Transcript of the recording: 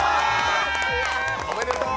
おめでとう！